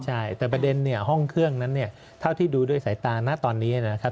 ใช่แต่ประเด็นเนี่ยห้องเครื่องนั้นเนี่ยเท่าที่ดูด้วยสายตานะตอนนี้นะครับ